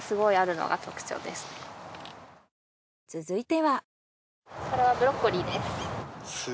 続いては。